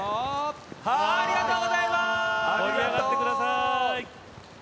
ありがとうございます。